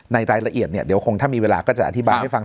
รายละเอียดเนี่ยเดี๋ยวคงถ้ามีเวลาก็จะอธิบายให้ฟัง